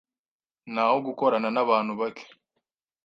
Naho gukorana n’abantu bake,